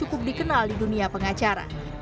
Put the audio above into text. cukup dikenal di dunia pengacara